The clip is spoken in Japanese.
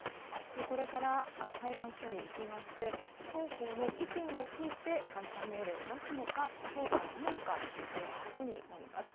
これから裁判所に行きまして双方の意見を聞いて解散命令を出すのかそうではないのか決めていくことになります。